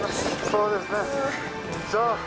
そうですね。